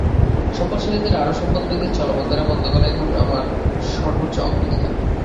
সম্পদশালীদের আরও সম্পদ বৃদ্ধির চলমান ধারা বন্ধ করাই এখন আমার সর্বোচ্চ অগ্রাধিকার।